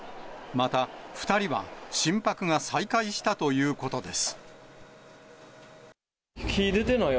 また、２人は心拍が再開したということです。